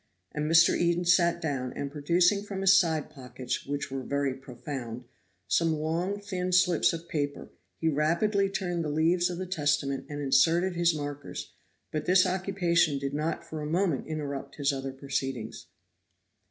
And Mr. Eden sat down, and producing from his side pockets, which were very profound, some long thin slips of paper, he rapidly turned the leaves of the Testament and inserted his markers; but this occupation did not for a moment interrupt his other proceedings.